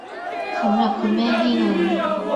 สำหรับคุณแม่ให้นม